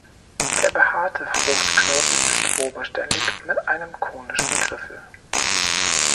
Der behaarte Fruchtknoten ist oberständig mit einem konischen Griffel.